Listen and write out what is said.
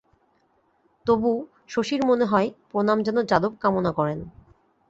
তবু, শশীর মনে হয়, প্রণাম যেন যাদব কামনা করেন।